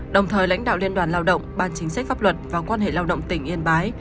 đồng thời lãnh đạo liên đoàn lao động ban chính sách pháp luật và quan hệ lao động tỉnh yên bái